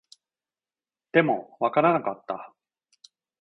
でも、わからなかった